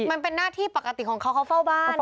มันเป็นหน้าที่ปกติของเขาเขาเฝ้าบ้าน